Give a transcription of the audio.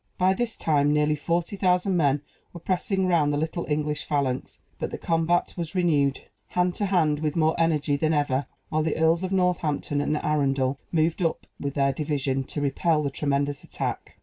By this time nearly forty thousand men were pressing round the little English phalanx; but the combat was renewed, hand to hand, with more energy than ever, while the Earls of Northampton and Arundel moved up with their division, to repel the tremendous attack.